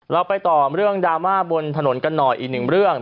เราไปต่อเรื่องดราม่าบนถนนกันหน่อยอีกหนึ่งเรื่อง